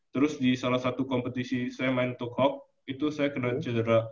terus di salah satu kompetisi saya main untuk hawk itu saya kena cedera